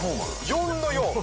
４の４？